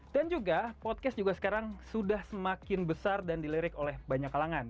dan juga podcast juga sekarang sudah semakin besar dan dilirik oleh banyak kalangan